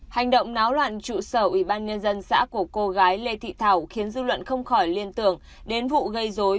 hành động náo loạn trụ sở ủy ban nhân dân xã của cô gái lê thị thảo khiến dư luận không khỏi liên tưởng đến vụ gây dối